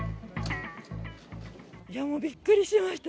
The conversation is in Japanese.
いや、もうびっくりしました。